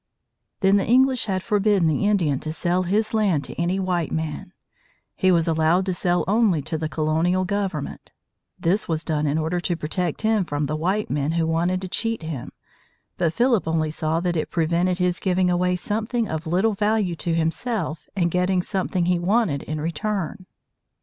Then the English had forbidden the Indian to sell his land to any white man. He was allowed to sell only to the colonial government. This was done in order to protect him from white men who wanted to cheat him; but Philip only saw that it prevented his giving away something of little value to himself, and getting something he wanted in return.